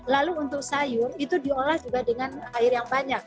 lalu untuk sayur itu diolah juga dengan air yang banyak